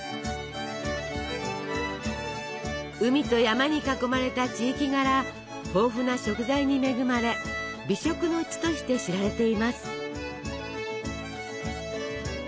海と山に囲まれた地域柄豊富な食材に恵まれ美食の地として知られています。